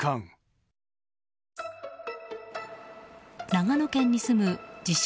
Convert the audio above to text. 長野県に住む自称